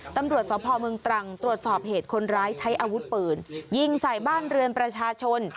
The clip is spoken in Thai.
ตำรวจสพเมืองตรังตรวจสอบเหตุคนร้ายใช้อาวุธปืนยิงใส่บ้านเรือนประชาชน